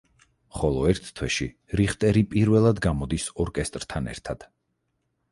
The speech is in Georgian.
ხოლო ერთ თვეში რიხტერი პირველად გამოდის ორკესტრთან ერთად.